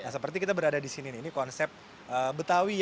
seperti kita berada di sini ini konsep betawi